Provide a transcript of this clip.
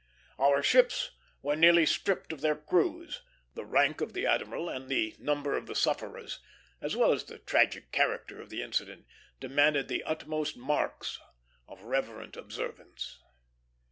Our ships were nearly stripped of their crews; the rank of the admiral and the number of the sufferers, as well as the tragic character of the incident, demanding the utmost marks of reverent observance.